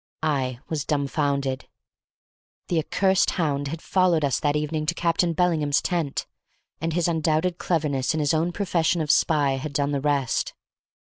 I was dumbfounded. The accursed hound had followed us that evening to Captain Bellingham's tent, and his undoubted cleverness in his own profession of spy had done the rest.